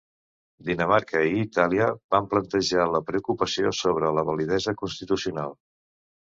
Dinamarca i Itàlia van plantejar la preocupació sobre la validesa constitucional.